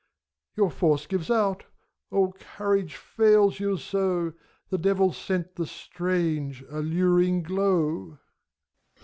— Your force gives out ; all courage fails you so : The Devils scent the strange, alluring glow.